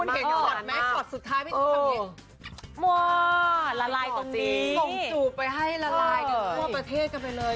นี่คุณเก่งขอดมั้ยขอดสุดท้ายพี่ติ๊กเค้าเห็นหล่อละลายตรงนี้ส่งจูบไปให้ละลายกันทั่วประเทศกันไปเลย